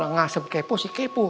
lengasem kepo si kepo